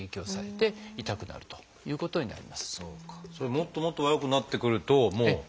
これはもっともっと悪くなってくるともう。